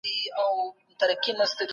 دولت اوس مهال په هوساینې کي دی.